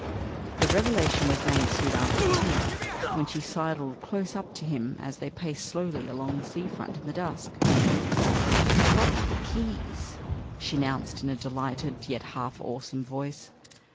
The revelation was made soon after tea, when she sidled close up to him as they paced slowly along the sea front in the dusk. "I've got the keys," she announced in a delighted, yet half awesome voice.